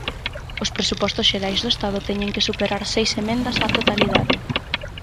Os Presupostos xerais do Estado teñen que superar seis emendas á totalidade.